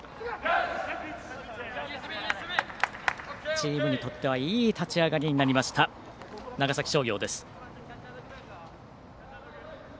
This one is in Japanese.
チームにとってはいい立ち上がりになりました長崎商業です。